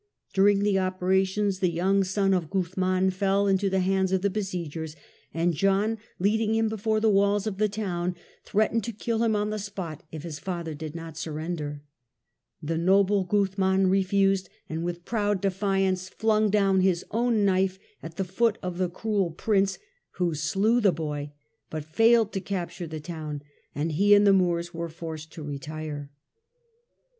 During the operations, the young son of Guzman fell into the hands of the besiegers, and John, leading him before the walls of the town, threatened to kill him on the spot if his father did not surrender. The noble Guzman refused, and with proud defiance flung down his own knife at the foot of the cruel Prince, who slew the boy, but failed to capture the town, and he and the Moors were forced to retire.